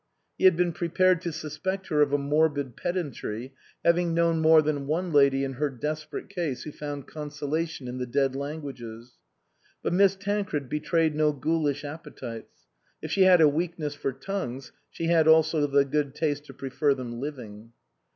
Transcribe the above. He had been prepared to sus pect her of a morbid pedantry, having known more than one lady in her desperate case who found consolation in the dead languages. But Miss Tancred betrayed no ghoulish appetites ; if she had a weakness for tongues, she had also the good taste to prefer them living.